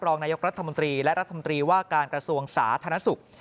รองนายกรัฐมนตรีและรัฐมนตรีว่าการกระทรวงสาธารณสุข